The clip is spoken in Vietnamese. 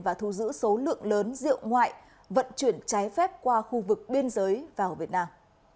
và thu giữ số lượng lớn rượu ngoại vận chuyển trái phép qua khu vực biên giới vào việt nam